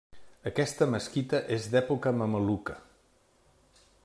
Aquesta mesquita és d'època mameluca.